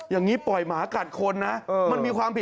อย่างนี้ปล่อยหมากัดคนนะ